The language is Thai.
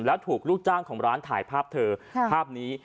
แล้วถูกลูกจ้างของร้านถ่ายภาพเธอภาพนี้